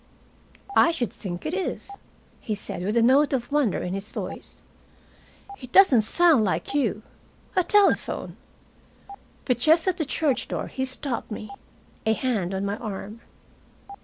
"I should think it is," he said, with a note of wonder in his voice. "It doesn't sound like you. A telephone!" But just at the church door he stopped me, a hand on my arm.